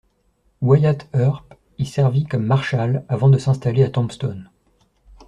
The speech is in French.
Wyatt Earp y servit comme Marshal avant de s'installer à Tombstone.